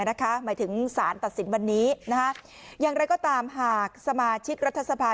หมายถึงสารตัดสินวันนี้อย่างไรก็ตามหากสมาชิกรัฐสภา